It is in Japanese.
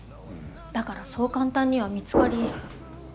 だからそう簡単には見つかり。